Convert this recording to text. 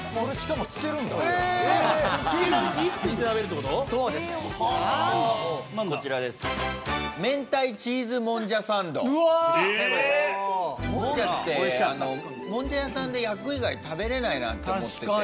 もんじゃってもんじゃ屋さんで焼く以外食べれないなと思ってて。